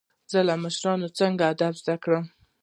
زه له مشرانو څخه ادب زده کوم.